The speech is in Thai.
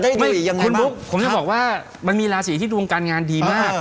คุณบุ๊คผมจะบอกว่ามันมีราศีที่ดวงการงานดีมาก